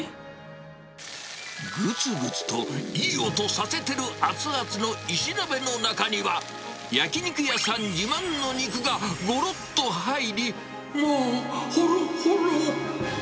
ぐつぐつといい音させてる熱々の石鍋の中には、焼き肉屋さん自慢の肉がごろっと入り、もうほろほろ。